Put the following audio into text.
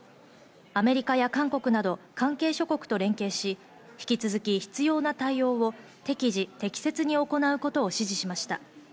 アメリカや韓国など関係諸国と連携し、引き続き、必要な対応を適時、適切に行うことを指示しました。